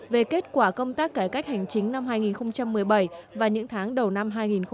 về kết quả công tác cải cách hành chính năm hai nghìn một mươi bảy và những tháng đầu năm hai nghìn một mươi chín